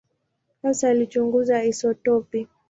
Hasa alichunguza isotopi.